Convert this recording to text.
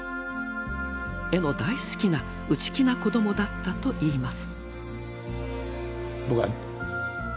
絵の大好きな内気な子どもだったといいます。